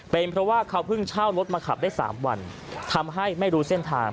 เป็นเพราะว่าเขาเพิ่งเช่ารถมาขับได้๓วันทำให้ไม่รู้เส้นทาง